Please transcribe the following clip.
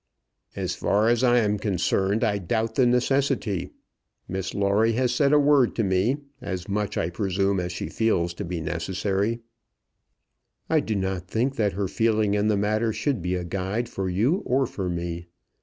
"As far as I am concerned, I doubt the necessity. Miss Lawrie has said a word to me, as much, I presume, as she feels to be necessary." "I do not think that her feeling in the matter should be a guide for you or for me.